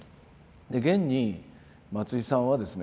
現に松井さんはですね